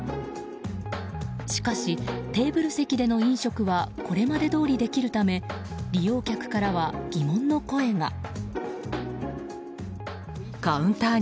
しかし、テーブル席での飲食はこれまでどおりできるため利用客からは疑問の声が。